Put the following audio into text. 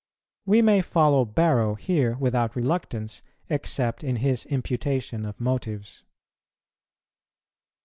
We may follow Barrow here without reluctance, except in his imputation of motives.